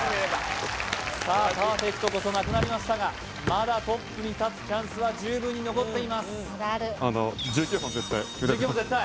さあパーフェクトこそなくなりましたがまだトップに立つチャンスは十分に残っています１９本絶対？